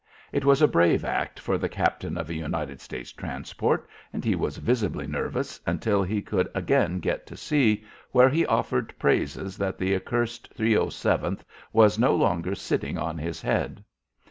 It was a brave act for the captain of a United States transport, and he was visibly nervous until he could again get to sea, where he offered praises that the accursed 307th was no longer sitting on his head.